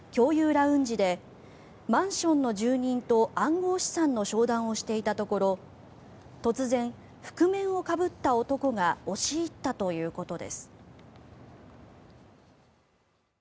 ラウンジでマンションの住人と暗号資産の商談をしていたところ突然、覆面をかぶった男が押し入ったということです。